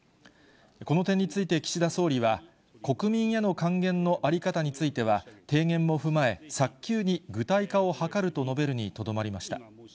この点について岸田総理は、国民への還元のあり方については、提言も踏まえ、早急に具体化を図ると述べるにとどまりました。